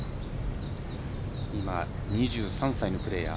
今、２３歳のプレーヤー。